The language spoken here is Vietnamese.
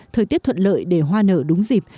thời tiết thuận lợi để hoa nở đúng dịp